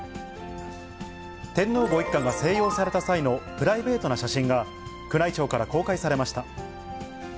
天皇ご一家が静養された際のプライベートな写真が、宮内庁から公開されました。